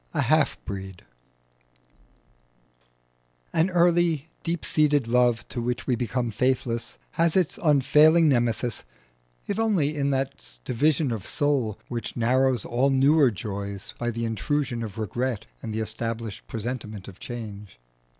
IX. A HALF BREED An early deep seated love to which we become faithless has its unfailing Nemesis, if only in that division of soul which narrows all newer joys by the intrusion of regret and the established presentiment of change.